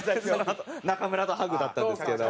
中村とハグだったんですけど。